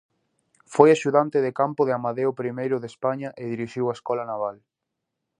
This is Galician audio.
Foi axudante de campo de Amadeo Primeiro de España e dirixiu a Escola Naval.